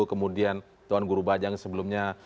kemudian tuan guru bajang sebelumnya